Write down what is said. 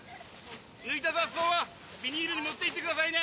抜いた雑草はビニールに持ってきてくださいね。